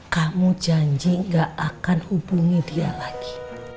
kamu janji gak akan hubungi dia lagi